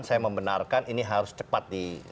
saya membenarkan ini harus cepat di